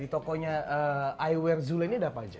di tokonya i wear zull ini ada apa aja